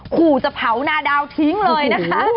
ขู่จะเผานาดาวทิ้งเลยนะคะ